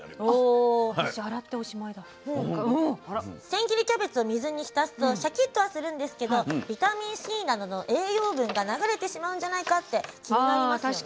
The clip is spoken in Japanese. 千切りキャベツを水に浸すとシャキッとはするんですけどビタミンＣなどの栄養分が流れてしまうんじゃないかって気になりますよね。